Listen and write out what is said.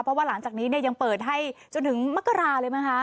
เพราะว่าหลังจากนี้เนี่ยยังเปิดให้จนถึงมกราเลยไหมคะ